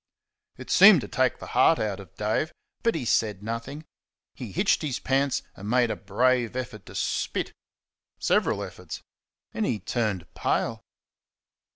It seemed to take the heart out of Dave, but he said nothing. He hitched his pants and made a brave effort to spit several efforts. And he turned pale.